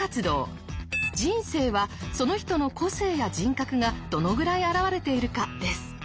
人生はその人の個性や人格がどのぐらい表れているかです。